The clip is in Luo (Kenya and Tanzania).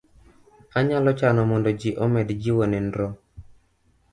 Anyalo chano mondo ji omed jiwo chenro